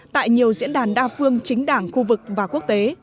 tại nhiều diễn đàn đa phương chính đảng khu vực và quốc tế